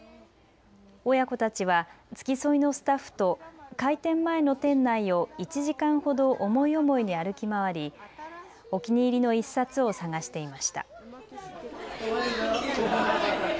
親子たちは付き添いのスタッフと開店前の店内を１時間ほど思い思いに歩き回りお気に入りの１冊を探していました。